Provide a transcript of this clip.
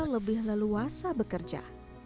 lebih leluasa bekerja